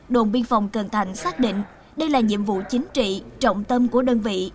đồn biên phòng cần thạnh xác định đây là nhiệm vụ chính trị trọng tâm của đơn vị